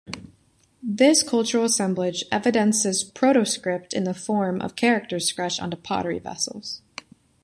This cultural assemblage evidences protoscript in the form of characters scratched onto pottery vessels.